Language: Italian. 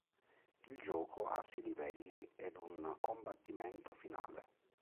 Il gioco ha sei livelli ed un combattimento finale.